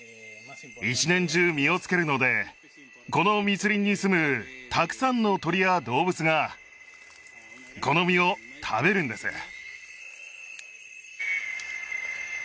一年中実をつけるのでこの密林にすむたくさんの鳥や動物がこの実を食べるんです